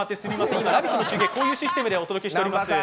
今の中継、こういうシステムでお届けしております。